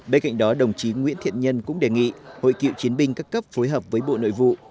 bên cạnh đó đồng chí nguyễn thiện nhân cũng đề nghị hội cựu chiến binh các cấp phối hợp với bộ nội vụ